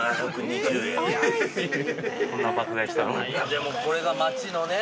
でもこれが町のね